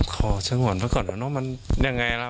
ขอเสียราคาเมื่อก่อนนะว่ามันยังไงล่ะ